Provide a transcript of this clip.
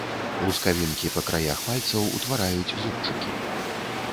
Лускавінкі па краях пальцаў утвараюць зубчыкі.